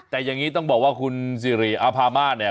แต่อย่างนี้ต้องบอกว่าคุณสิริอาภามาศเนี่ย